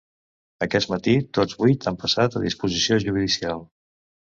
Aquest matí, tots vuit han passat a disposició judicial.